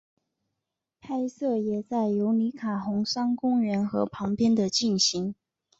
拍摄也在尤里卡红杉公园和旁边的进行。